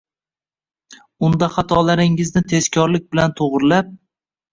unda xatolaringizni tezkorlik bilan to‘g‘rilab